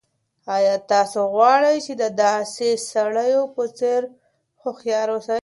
آیا تاسو غواړئ چې د داسې سړیو په څېر هوښیار اوسئ؟